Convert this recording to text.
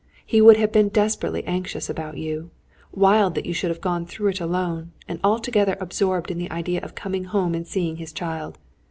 He would have been desperately anxious about you; wild that you should have gone through it alone, and altogether absorbed in the idea of coming home and seeing his child.